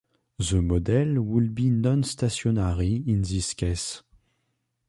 The model would be non-stationary in this case.